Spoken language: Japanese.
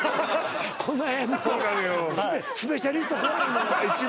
この辺のスペシャリスト怖いのよそうなのよ